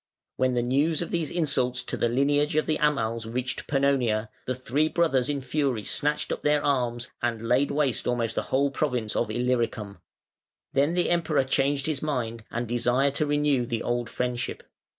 When the news of these insults to the lineage of the Amals reached Pannonia, the three brothers in fury snatched up their arms and laid waste almost the whole province of Illyricum. Then the Emperor changed his mind, and desired to renew the old friendship.